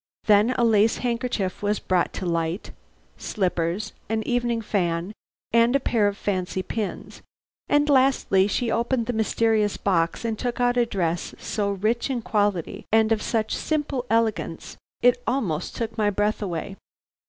Then a lace handkerchief was brought to light, slippers, an evening fan, and a pair of fancy pins, and lastly she opened the mysterious box and took out a dress so rich in quality and of such simple elegance, it almost took my breath away.